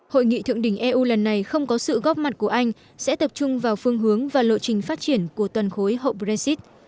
hội nghị thượng đỉnh eu lần này không có sự góp mặt của anh sẽ tập trung vào phương hướng và lộ trình phát triển của toàn khối hậu brexit